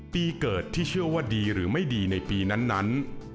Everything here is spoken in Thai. ปีเกิดที่เชื่อว่าดีหรือไม่ดีในปีนั้น